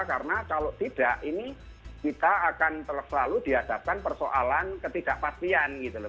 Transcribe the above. karena kalau tidak ini kita akan selalu dihadapkan persoalan ketidakpastian gitu loh